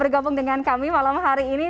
bergabung dengan kami malam hari ini